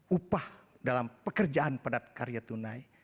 upah dalam pekerjaan padat karya tunai